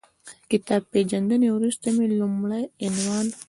کتاب پېژندنې وروسته مې لومړی عنوان